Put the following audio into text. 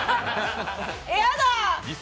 やだ！